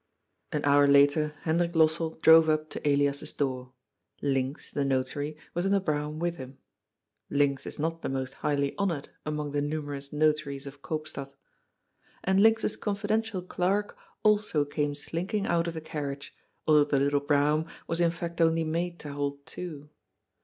Ak hour later Hendrik Lossell drove up to Elias's door. Linx, the Notary, was in the brougham with him. Linx is not the most highly honoured among the numerous notaries of Koopstad. And Linx's confidential clerk also came slinking out of the carriage, although the little brougham was in fact only made to hold two.